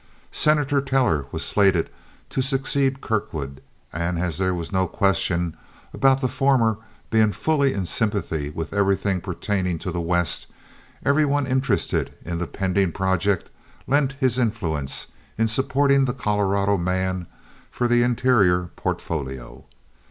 Senator Teller was slated to succeed Kirkwood, and as there was no question about the former being fully in sympathy with everything pertaining to the West, every one interested in the pending project lent his influence in supporting the Colorado man for the Interior portfolio.